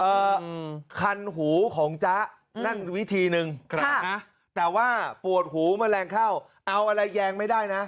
คันหูของจ๊ะนั่นวิธีหนึ่งครับนะแต่ว่าปวดหูแมลงเข้าเอาอะไรแยงไม่ได้นะ